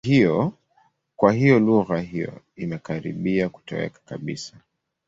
Kwa hiyo lugha hiyo imekaribia kutoweka kabisa.